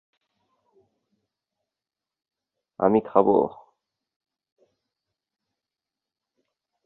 Cricket Australia chairman মহিলা একাদশের বিপক্ষেও দলটি অংশগ্রহণ করে।